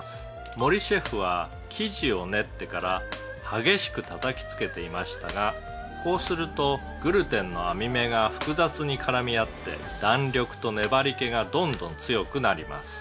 「森シェフは生地を練ってから激しくたたきつけていましたがこうするとグルテンの網目が複雑に絡み合って弾力と粘り気がどんどん強くなります」